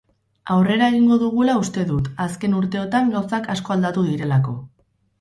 Aurrera egingo dugula uste dut, azken urteotan gauzak asko aldatu direlako.